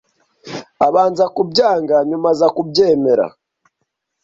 abanza kubyanga nyuma aza kubyemera